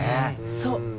そう！